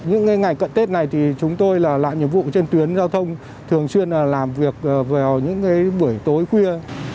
những ngày cận tết này thì chúng tôi là làm nhiệm vụ trên tuyến giao thông thường xuyên làm việc vào những buổi tối khuya